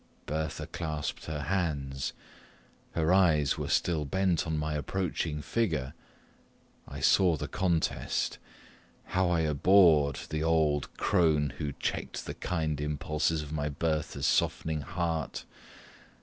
Bertha clasped her hands her eyes were still bent on my approaching figure. I saw the contest. How I abhorred the old crone who checked the kind impulses of my Bertha's softening heart.